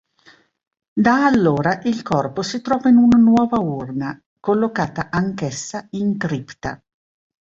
Da allora il corpo si trova in una nuova urna, collocata anch'essa in cripta.